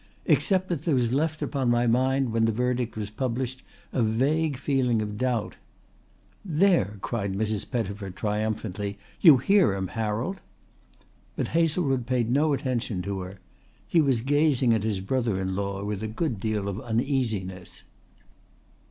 "Except that there was left upon my mind when the verdict was published a vague feeling of doubt." "There!" cried Mrs. Pettifer triumphantly. "You hear him, Harold." But Hazelwood paid no attention to her. He was gazing at his brother in law with a good deal of uneasiness.